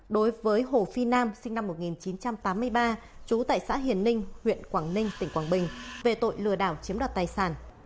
đối với hồ phi nam sinh năm một nghìn chín trăm tám mươi ba trú tại xã hiền ninh huyện quảng ninh tỉnh quảng bình về tội lừa đảo chiếm đoạt tài sản